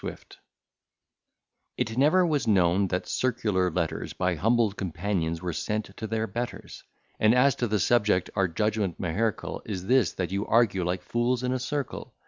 SWIFT It never was known that circular letters, By humble companions were sent to their betters, And, as to the subject, our judgment, meherc'le, Is this, that you argue like fools in a circle.